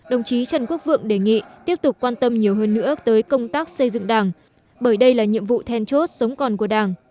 đồng chí trần quốc vượng đề nghị tiếp tục quan tâm nhiều hơn nữa tới công tác xây dựng đảng bởi đây là nhiệm vụ then chốt sống còn của đảng